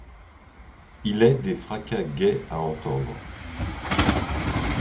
Il est des fracas gais à entendre.